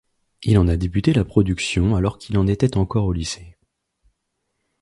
Il en a débuté la production alors qu'il était encore au lycée.